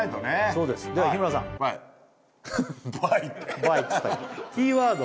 そうですでは日村さんバイバイってバイっつったキーワード